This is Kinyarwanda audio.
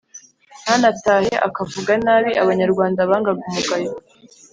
ntanatahe akuvuga nabi. abanyarwanda bangaga umugayo.